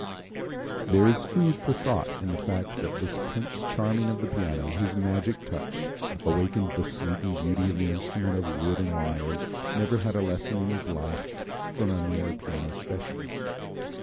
There is food for thought in the fact that this Prince Charming of the piano, whose magic touch awakened the Sleeping Beauty of the instrument of wood and wires, never had a lesson in his life from a mere piano specialist.